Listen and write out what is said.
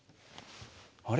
あれ？